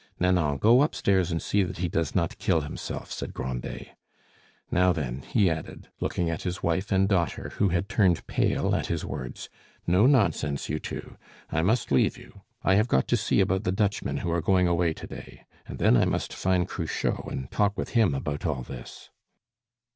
"Nanon, go upstairs and see that he does not kill himself," said Grandet. "Now, then," he added, looking at his wife and daughter, who had turned pale at his words, "no nonsense, you two! I must leave you; I have got to see about the Dutchmen who are going away to day. And then I must find Cruchot, and talk with him about all this."